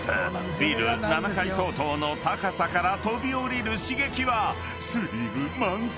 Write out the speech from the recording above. ［ビル７階相当の高さから飛び降りる刺激はスリル満点］